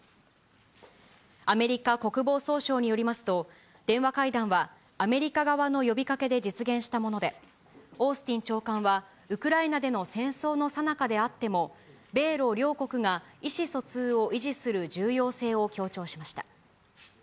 アメリカ国防総省によりますと、電話会談はアメリカ側の呼びかけで実現したもので、オースティン長官は、ウクライナでの戦争のさなかであっても、米ロ両国が意思疎通を維持する重要性を強調しました。